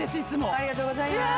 ありがとうございます。